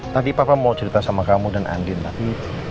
tadi papa mau cerita sama kamu dan andin